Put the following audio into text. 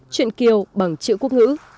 chuyện kiều bằng chữ quốc ngữ